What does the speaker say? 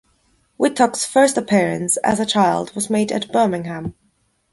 Whytock's first appearance, as a child, was made at Birmingham.